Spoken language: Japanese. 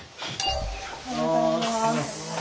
おはようございます。